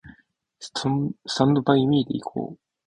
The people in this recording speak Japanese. スタンドバイミーで行こう